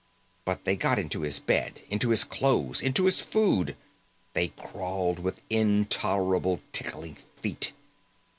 But they got into his bed, into his clothes, into his food. They crawled with intolerable tickling feet.